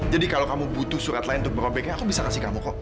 jadi kalau kamu butuh surat lain untuk merobeknya aku bisa kasih kamu kok